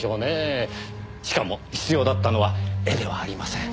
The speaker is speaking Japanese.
しかも必要だったのは絵ではありません。